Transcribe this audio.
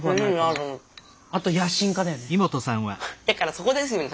フッだからそこですよね